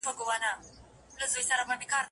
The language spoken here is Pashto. ما ویل چي یو سالار به پیدا کیږي